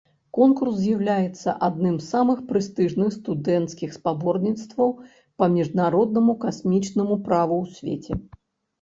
Конкурс з'яўляецца адным з самых прэстыжных студэнцкіх спаборніцтваў па міжнароднаму касмічнаму праву ў свеце.